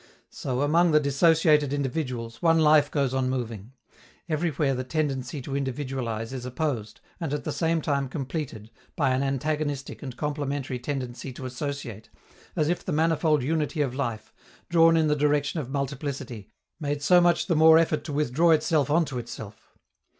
So, among the dissociated individuals, one life goes on moving: everywhere the tendency to individualize is opposed and at the same time completed by an antagonistic and complementary tendency to associate, as if the manifold unity of life, drawn in the direction of multiplicity, made so much the more effort to withdraw itself on to itself.